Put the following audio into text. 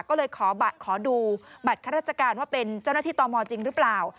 ก็เลยขอดูบัตรข้าราชการว่าเป็นเจ้าหน้าที่ตมจริงหรือเปล่า